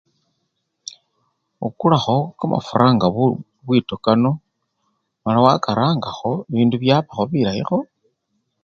Okulakho kamafura nga bu! bwito kano mala wakarangakho bindu byabakho bilayikho.